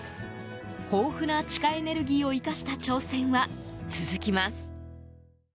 豊富な地下エネルギーを生かした挑戦は続きます。